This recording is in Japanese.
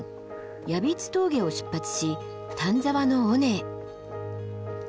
ヤビツ峠を出発し丹沢の尾根へ。